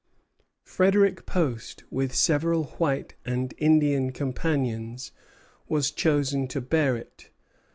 Frederic Post, with several white and Indian companions, was chosen to bear it.